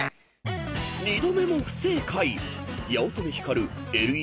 ［２度目も不正解］